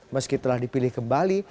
meski telah dipilih kembali